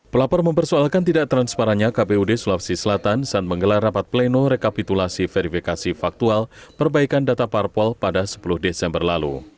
pelapor mempersoalkan tidak transparannya kpud sulawesi selatan saat menggelar rapat pleno rekapitulasi verifikasi faktual perbaikan data parpol pada sepuluh desember lalu